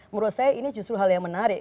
menurut saya ini justru hal yang menarik